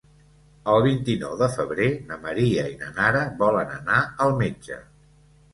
El vint-i-nou de febrer na Maria i na Nara volen anar al metge.